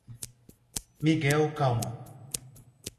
Miguel Calmon